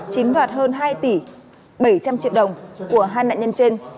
chiếm đoạt hơn hai tỷ bảy trăm linh triệu đồng của hai nạn nhân trên